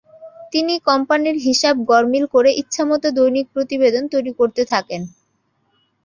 তিনি কোম্পানির হিসাব গরমিল করে ইচ্ছামতো দৈনিক প্রতিবেদন তৈরি করতে থাকেন।